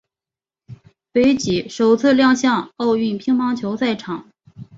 斐济首次亮相奥运乒乓球赛场。